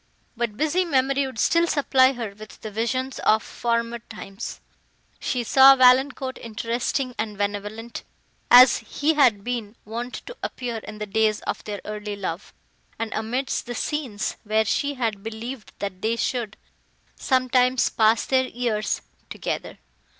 But busy memory would still supply her with the visions of former times: she saw Valancourt interesting and benevolent, as he had been wont to appear in the days of their early love, and, amidst the scenes, where she had believed that they should sometimes pass their years together!